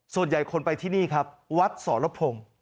ส่วนใหญ่คนไปที่นี่ครับวัดสรพงศ์